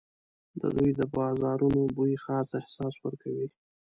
د دوی د بازارونو بوی خاص احساس ورکوي.